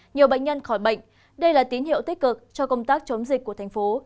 nhiều bệnh nhân khỏi bệnh đây là tín hiệu tích cực cho công tác chống dịch của thành phố